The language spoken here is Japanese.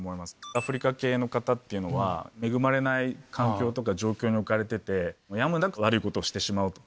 アフリカ系の方っていうのは恵まれない環境とか状況に置かれててやむなく悪いことをしてしまうと。